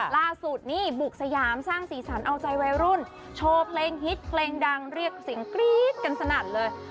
ล่าสุดนี่บุกสยามสร้างสีสันเอาใจวัยรุ่นโชว์เพลงฮิตเพลงดังเรียกเสียงกรี๊ดกันสนั่นเลย